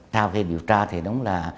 sau khi điều tra thì đúng là